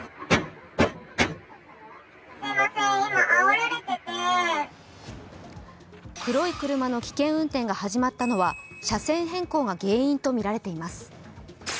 黒い車の危険運転が始まったのは、車線変更が原因とみられています。